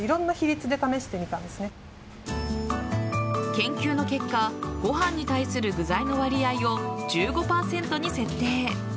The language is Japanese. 研究の結果ご飯に対する具材の割合を１５％に設定。